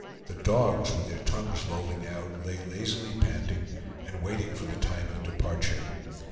The dogs, with their tongues lolling out, lay lazily panting, and waiting for the time of departure.